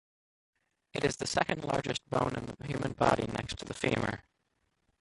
It is the second largest bone in the human body next to the femur.